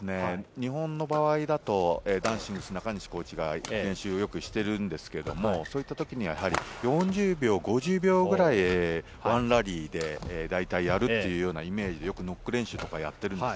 日本の場合だと男子シングルス・中西コーチが練習をよくしているんですが、そういった時に４０秒、５０秒くらいワンラリーで、大体やるというイメージで、よく練習をしているんです。